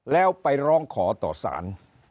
แล้วไปร้องขอต่อสาร